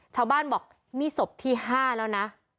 ชาวบ้านบอกนี่ศพที่๕แล้วนะ